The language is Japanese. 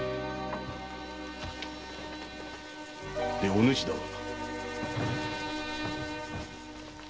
お主だが？